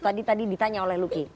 tadi tadi ditanya oleh luki